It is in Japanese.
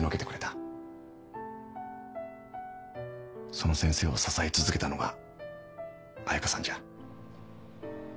その先生を支え続けたのが彩佳さんじゃ。